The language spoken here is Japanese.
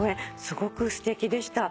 すごくすてきでした。